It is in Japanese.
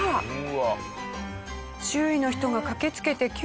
周囲の人が駆けつけて救助。